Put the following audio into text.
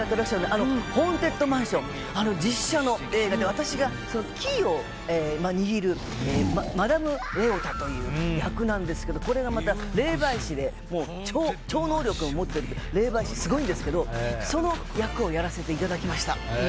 あのホーンテッドマンション実写の映画で私がキーを握るマダム・レオタという役なんですけどこれがまた超能力を持ってる霊媒師ですごいんですけどその役をやらせていただきました。